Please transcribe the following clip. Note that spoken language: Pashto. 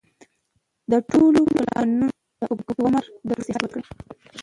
د ټولو پلانونو ته اوږد عمر د روغ صحت ورکړي